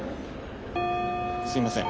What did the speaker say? すみません。